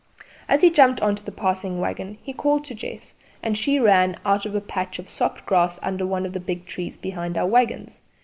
As he jumped on to the passing waggon he called to Jess, and she ran out of a patch of soft grass under one of the big trees behind our waggons.